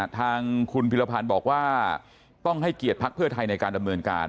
ทางคุณพิรพันธ์บอกว่าต้องให้เกียรติภักดิ์เพื่อไทยในการดำเนินการ